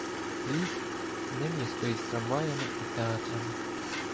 Ліс — не місто із трамваями і театрами.